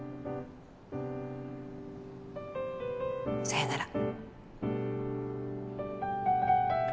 さよなら。